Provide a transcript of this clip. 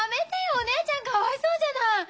お姉ちゃんかわいそうじゃない！